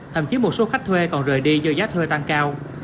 thậm chí một số khách thuê còn rời đi do giá thuê tăng cao